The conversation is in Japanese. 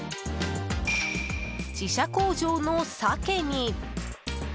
自社工場のサケに。